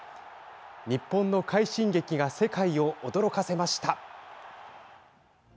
日本の快進撃が世界を驚かせました。